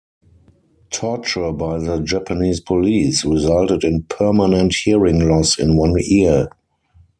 Torture by the Japanese police resulted in permanent hearing loss in one ear.